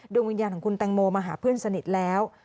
วิญญาณของคุณแตงโมมาหาเพื่อนสนิทแล้ว